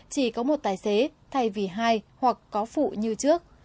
chỉ có một tài xế thay vì hai hoặc có phụ như trước